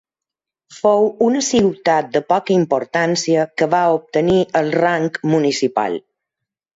Fou una ciutat de poca importància que va obtenir el rang municipal.